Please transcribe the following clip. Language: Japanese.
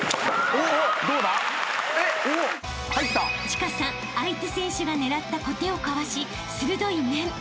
［千佳さん相手選手が狙ったこてをかわし鋭い面］